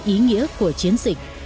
ý nghĩa của chiến dịch